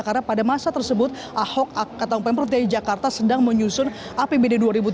karena pada masa tersebut ahok atau pemprov dari jakarta sedang menyusun apbd dua ribu tujuh belas